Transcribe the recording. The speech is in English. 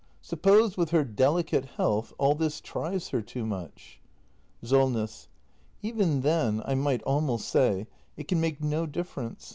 Suppose, with her deli cate health, all this tries her too much ? SOLNESS. Even then — I might almost say — it can make no dif ference.